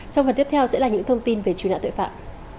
trong phần tiếp theo sẽ là những thông tin về truy nã tội phạm